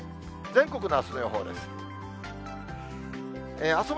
全国のあすの予報です。